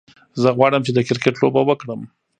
زه غواړم چې د کرکت لوبه وکړم.